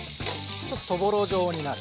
ちょっとそぼろ状になる。